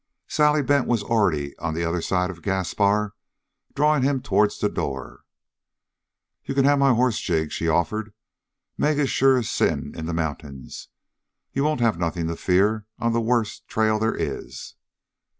Sally Bent was already on the other side of Gaspar, drawing him toward the door. "You can have my hoss, Jig," she offered. "Meg is sure as sin in the mountains. You won't have nothing to fear on the worst trail they is."